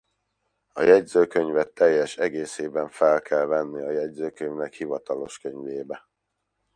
A jegyzőkönyvet teljes egészében fel kell venni a jegyzőkönyvek hivatalos könyvébe.